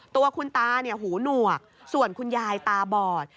ตัวคุณตาหูหนวกส่วนคุณยายตาบอด